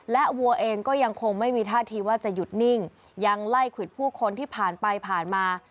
และวัวเองก็ยังคงไม่มีท่าทีว่าจะหยุดนิ่งยังไล่ควิดผู้คนที่ผ่านไปผ่านมา